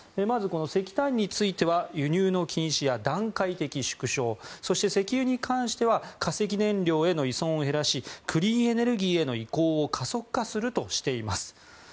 まずこの石炭については輸入の禁止や段階的縮小そして、石油に関しては化石燃料への依存を減らしクリーンエネルギーへの移行を加速化するとしています。